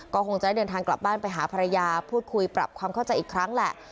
ก็คงจะได้เดินทางกลับบ้านไปหาภรรยาพูดคุยปรับความเข้าใจอีกครั้งแหละ